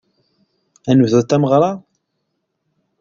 Ad d-nebdut tameɣra.